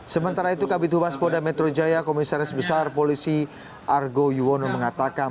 sementara itu kabupaten maspoda metro jaya komisaris besar polisi argo yuwono mengatakan